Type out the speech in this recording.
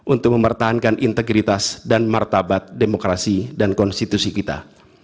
untuk mempertahankan integritas dan martabat demokrasi dan konstitusi kita